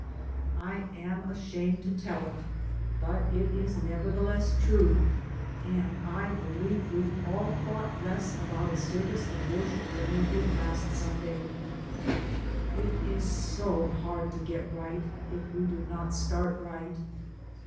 I am ashamed to tell it, but it is nevertheless true, and I believe we all thought less about a service of worship than we did last Sunday. It is so hard to get right, if we do not start right.